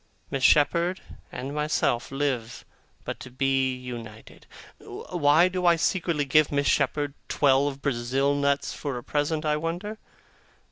Miss Shepherd and myself live but to be united. Why do I secretly give Miss Shepherd twelve Brazil nuts for a present, I wonder?